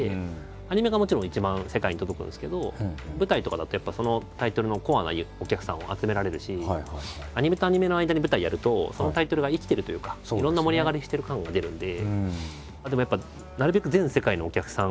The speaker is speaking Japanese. アニメがもちろん一番世界に届くんですけど舞台とかだとやっぱそのタイトルのコアなお客さんを集められるしアニメとアニメの間に舞台やるとそのタイトルが生きてるというかいろんな盛り上がりしてる感が出るんで。